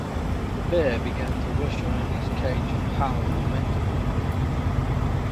The bear began to rush around his cage and howl lamentably.